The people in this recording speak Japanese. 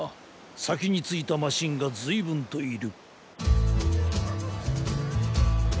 さきについたマシンがずいぶんといる。